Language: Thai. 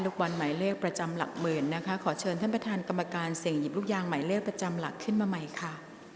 วันหมายเลขประจำหลักหมื่นนะคะขอเชิญท่านประธานกรรมการเสี่ยงหยิบลูกยางหมายเลขประจำหลักขึ้นมาใหม่ค่ะ